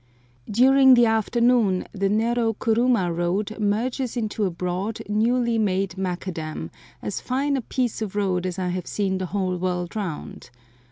During the afternoon the narrow kuruma road merges into a broad, newly made macadam, as fine a piece of road as I have seen the whole world round.